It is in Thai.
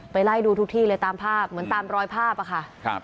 ไล่ดูทุกที่เลยตามภาพเหมือนตามรอยภาพอะค่ะ